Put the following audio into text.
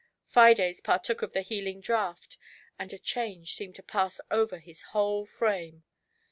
Fides partook of the healing jlraught, and a change seemed to pass over his whole frame.